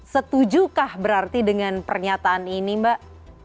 setujukah berarti dengan pernyataan ini mbak